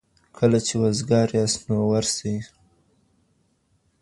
کله چي وزګار یاست نو ورسئ.